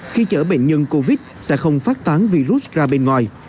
khi chở bệnh nhân covid sẽ không phát tán virus ra bên ngoài